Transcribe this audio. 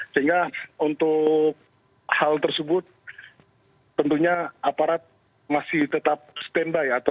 sehingga untuk hal tersebut tentunya aparat masih tetap standby